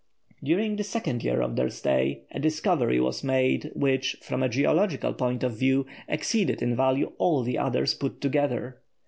During the second year of their stay, a discovery was made, which, from a geological point of view, exceeded in value all the others put together.